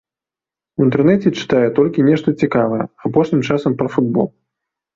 У інтэрнэце чытае толькі нешта цікавае, апошнім часам пра футбол.